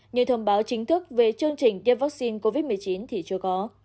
nhưng thông báo chính thức về chương trình tiêm vắc xin covid một mươi chín thì chưa có